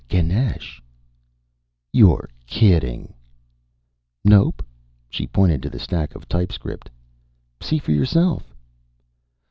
"Ganesh." "You're kidding!" "Nope." She pointed to the stack of typescript. "See for yourself."